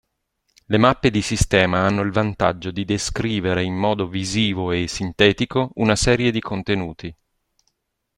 Le mappe di sistema hanno il vantaggio di descrivere in modo visivo e sintetico una serie di contenuti.